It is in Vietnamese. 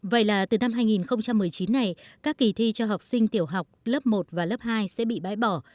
vậy là từ năm hai nghìn một mươi chín này các kỳ thi cho học sinh tiểu học lớp một và lớp hai sẽ bị bãi bỏ